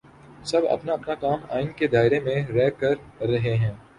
سب اپنا اپنا کام آئین کے دائرے میں رہ کر رہے ہیں۔